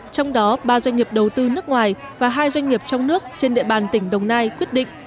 trong đó ba doanh nghiệp đầu tư nước ngoài và hai doanh nghiệp trong nước trên địa bàn tỉnh đồng nai quyết định